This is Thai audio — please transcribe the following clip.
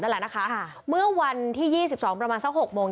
นั่นแหละนะคะฮะเมื่อวันที่ยี่สิบสองประมาณสักหกโมง